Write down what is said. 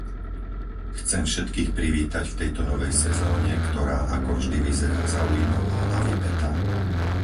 Chcem všetkých privítať v tejto novej sezóne, ktorá ako vždy vyzerá zaujímavá a vypätá.